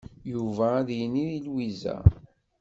Yuba ad yini i Lwiza.